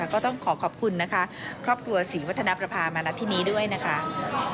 ก็ต้องขอขอบคุณนะคะครอบครัวศรีวัฒนประพามานัดที่นี้ด้วยนะคะ